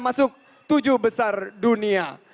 masuk tujuh besar dunia